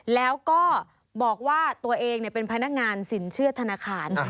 แล้วก็บอกว่าตัวเองเป็นพนักงานสินเชื่อธนาคาร